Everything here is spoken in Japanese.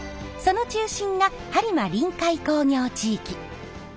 その中心が播磨臨海工業地域。